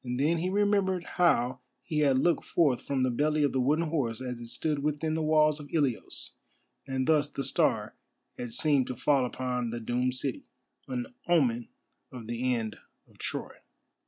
Then he remembered how he had looked forth from the belly of the wooden horse as it stood within the walls of Ilios, and thus the star had seemed to fall upon the doomed city, an omen of the end of Troy.